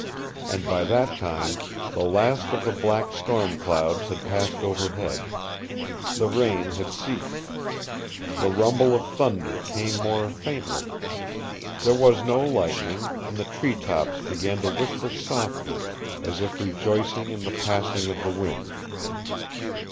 And by that time the last of the black storm clouds had passed overhead. The rain had ceased. The rumble of thunder came more faintly. There was no lightning, and the tree tops began to whisper softly, as if rejoicing in the passing of the wind.